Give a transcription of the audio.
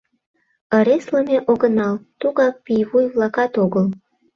Ыреслыме огынал, тугак пийвуй-влакат огыл.